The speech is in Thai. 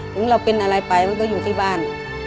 ถึงเราเป็นอะไรไปมันก็อยู่ที่บ้าน